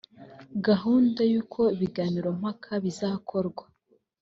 gahunda y’ uko ibiganirompaka bizakorwa